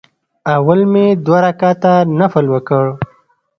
اول مې دوه رکعته نفل وکړ.